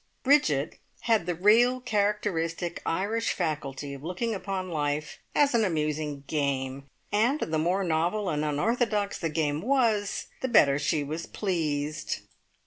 Bridget had the real characteristic Irish faculty of looking upon life as an amusing game, and the more novel and unorthodox the game was, the better she was pleased.